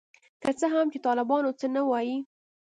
که څه هم چي طالبان څه نه وايي.